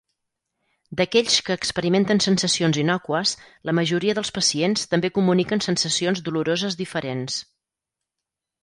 D'aquells que experimenten sensacions innòcues, la majoria dels pacients també comuniquen sensacions doloroses diferents.